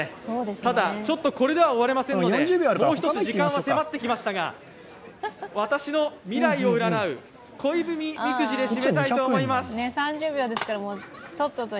ただ、ちょっとこれでは終われませんので、もう一つ、時間は迫ってきましたが私の未来を占う、恋文みくじで締めたいと思います。